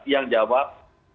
yang jawab dua puluh lima